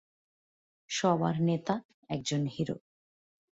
সবার নেতা, একজন হিরো।